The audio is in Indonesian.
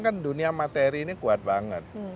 kan dunia materi ini kuat banget